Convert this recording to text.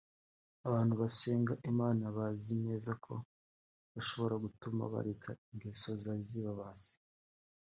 Abantu basenga Imana bazi neza ko ishobora gutuma bareka ingeso zari zarababase